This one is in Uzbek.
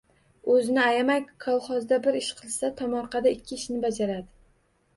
Oʼzini ayamay kolxozda bir ish qilsa, tomorqada ikki ishni bajaradi.